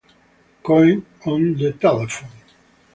Cohen on the Telephone